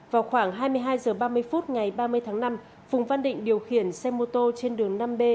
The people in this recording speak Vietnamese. vào khoảng hai mươi hai h ba mươi phút ngày ba mươi tháng năm phùng văn định điều khiển xe mô tô trên đường năm b